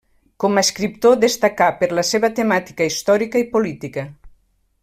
Com a escriptor destacà per la seva temàtica històrica i política.